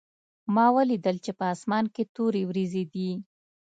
ما ولیدل چې په اسمان کې تورې وریځې دي